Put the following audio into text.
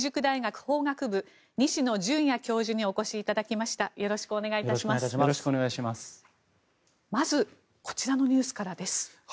まずこちらのニュースからです。